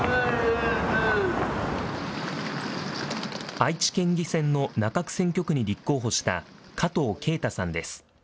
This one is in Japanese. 愛知県議選の中区選挙区に立候補した加藤啓太さんです。